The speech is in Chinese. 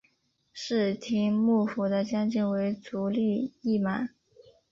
室町幕府的将军为足利义满。